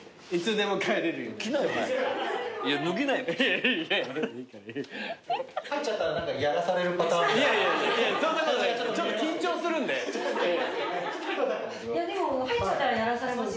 でも入っちゃったらやらされますよねたぶんね。